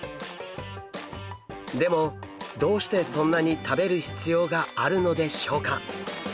でもどうしてそんなに食べる必要があるのでしょうか？